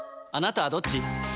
あなたはどっち？